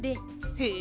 へえ。